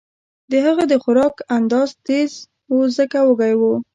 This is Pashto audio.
د هغه د خوراک انداز تېز و ځکه وږی و